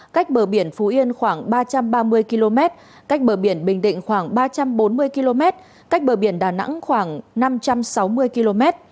cách bờ biển phú yên khoảng ba trăm ba mươi km cách bờ biển bình định khoảng ba trăm bốn mươi km cách bờ biển đà nẵng khoảng năm trăm sáu mươi km